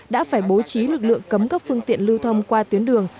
đã phải bố trí lực lượng cấm các phương tiện lưu thông qua tuyến đường